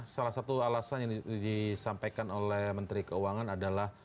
salah satu alasan yang disampaikan oleh menteri keuangan adalah